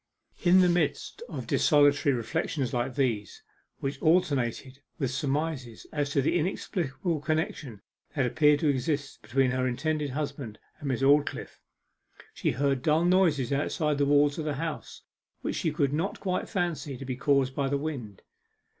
In the midst of desultory reflections like these, which alternated with surmises as to the inexplicable connection that appeared to exist between her intended husband and Miss Aldclyffe, she heard dull noises outside the walls of the house, which she could not quite fancy to be caused by the wind.